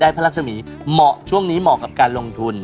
พระรักษมีเหมาะช่วงนี้เหมาะกับการลงทุน